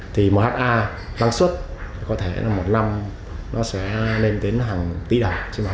thì một ha năng suất có thể một năm nó sẽ lên đến hàng tỷ đồng trên một ha